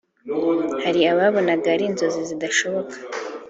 hari ababonaga ari inzozi zidashoboka